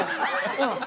うん。